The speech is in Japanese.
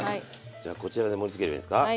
じゃあこちらで盛りつければいいんですか？